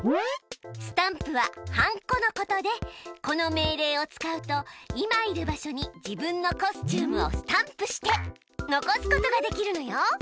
スタンプははんこのことでこの命令を使うと今いる場所に自分のコスチュームをスタンプして残すことができるのよ。